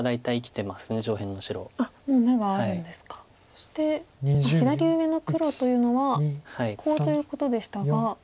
そして左上の黒というのはコウということでしたが。